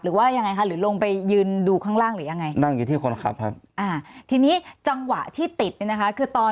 หรือว่ายังไงคะหรือลงไปยืนดูข้างล่างหรือยังไงนั่งอยู่ที่คนขับครับอ่าทีนี้จังหวะที่ติดเนี่ยนะคะคือตอน